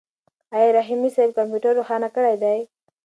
آیا رحیمي صیب کمپیوټر روښانه کړی دی؟